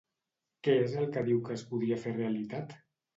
Què és el que diu que es podria fer realitat?